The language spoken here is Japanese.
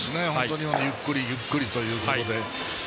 ゆっくりゆっくりというところで。